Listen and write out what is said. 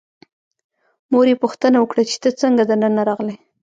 مور یې پوښتنه وکړه چې ته څنګه دننه راغلې.